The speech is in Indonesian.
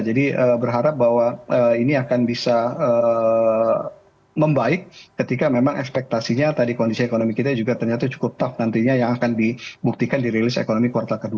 jadi berharap bahwa ini akan bisa membaik ketika memang ekspektasinya tadi kondisi ekonomi kita juga ternyata cukup tough nantinya yang akan dibuktikan di rilis ekonomi kuartal ke dua